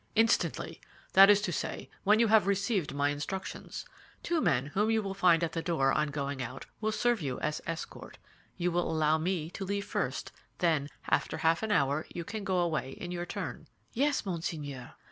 "Instantly! That is to say, when you have received my instructions. Two men, whom you will find at the door on going out, will serve you as escort. You will allow me to leave first; then, after half an hour, you can go away in your turn." "Yes, monseigneur.